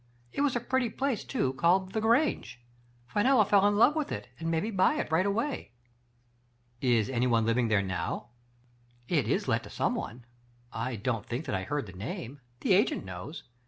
It was a pretty place, too, called *The Grange.' Fe nella fell in love with it, and made me buy it right away." " Is anyone living there now ?"" It is let to someone. I don't think that I heard the name. The agent knows.